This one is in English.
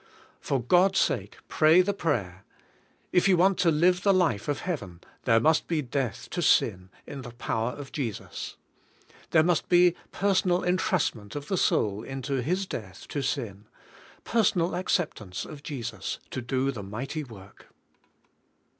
For God's sake, pray the prayer. If you want to live the life of Heaven, there must be death to sin in the power of Jesus. There must be personal entrustment of the soul into His death to sin, personal acceptance of Jesus to do the mighty work.